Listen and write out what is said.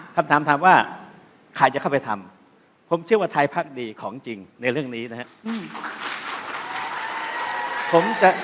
คำถามถามว่าใครจะเข้าไปทำผมเชื่อว่าไทยพักดีของจริงในเรื่องนี้นะครับ